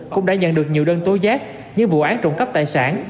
cũng đã nhận được nhiều đơn tối giác như vụ án trộm cắp tài sản